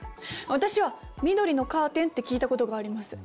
私は緑のカーテンって聞いたことがあります。